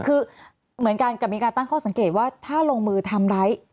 คือเหมือนกันกับมีการตั้งข้อสังเกตว่าถ้าลงมือทำร้าย